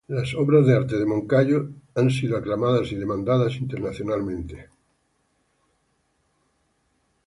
Las obras de arte de Moncayo han sido aclamadas y demandadas internacionalmente.